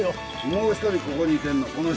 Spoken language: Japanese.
もう１人ここにいてんの。